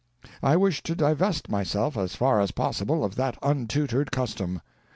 I wish to divest myself, as far as possible, of that untutored custom.